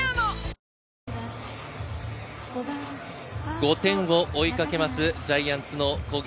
５点を追いかけます、ジャイアンツの攻撃。